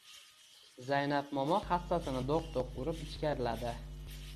Zaynab momo hassasini do‘q-do‘q urib ichkariladi.